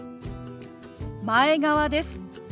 前川です。